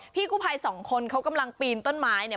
พี่กู้ภัยสองคนเขากำลังปีนต้นไม้เนี่ย